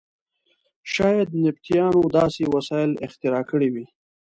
شاید نبطیانو داسې وسایل اختراع کړي وي.